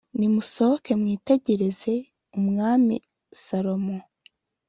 nimusohoke Mwitegereze umwami Salomo